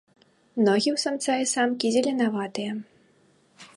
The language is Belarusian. Ногі ў самца і самкі зеленаватыя.